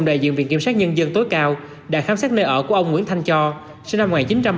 đại diện viện kiểm sát nhân dân tối cao đã khám xét nơi ở của ông nguyễn thanh cho sinh năm một nghìn chín trăm tám mươi